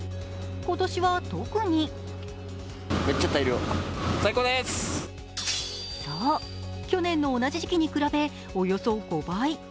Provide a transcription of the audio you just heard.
今年は特にそう、去年の同じ時期に比べおよそ５倍。